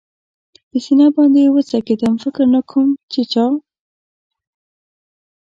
پر سینه باندې و څکېدم، فکر نه کوم چې چا.